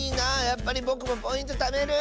やっぱりぼくもポイントためる！